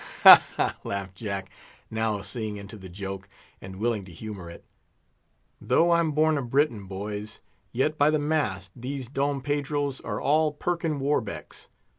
"Ha! ha!" laughed Jack, now seeing into the joke, and willing to humour it; "though I'm born a Briton, boys, yet, by the mast! these Don Pedros are all Perkin Warbecks.